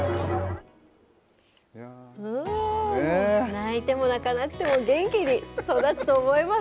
泣いても泣かなくても、元気に育つと思います。